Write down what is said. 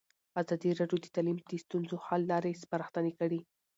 ازادي راډیو د تعلیم د ستونزو حل لارې سپارښتنې کړي.